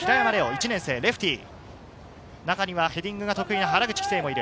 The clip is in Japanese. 中にはヘディングが得意な原口玖星もいる。